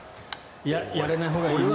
やらないほうがいいですか。